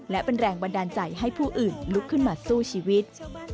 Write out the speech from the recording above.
และเป็นแรงบันดาลใจให้ผู้อื่นลุกขึ้นมาสู้ชีวิต